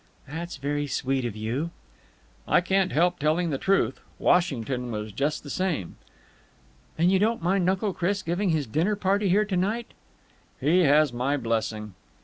"That's very sweet of you." "I can't help telling the truth. Washington was just the same." "Then you don't mind Uncle Chris giving his dinner party here to night?" "He has my blessing."